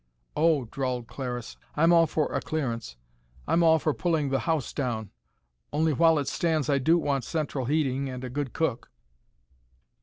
"Oh," drawled Clariss. "I'm all for a clearance. I'm all for pulling the house down. Only while it stands I do want central heating and a good cook."